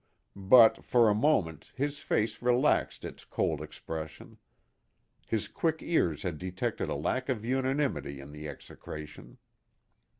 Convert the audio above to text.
But, for a moment, his face relaxed its cold expression. His quick ears had detected a lack of unanimity in the execration.